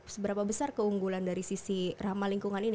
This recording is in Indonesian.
seberapa besar keunggulan dari sisi ramah lingkungan ini